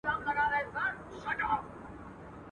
په ما ډکي خزانې دي لوی بانکونه.